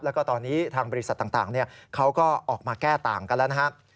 แล้วก็ตอนนี้ทางบริษัทต่างเขาก็ออกมาแก้ต่างกันแล้วนะครับ